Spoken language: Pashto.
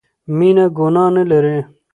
مينه ګناه نه لري